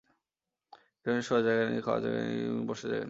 একটুখানি শোয়ার জায়গা নেই, খাওয়ার জায়গা নেই, এমনকি বসার মতো জায়গা নেই।